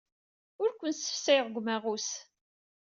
Ur ken-ssefsayeɣ deg umaɣus.